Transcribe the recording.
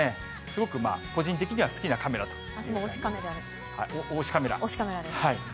すごく個人的には好きなカメラという。